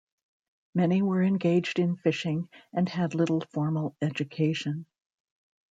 Many were engaged in fishing and had little formal education.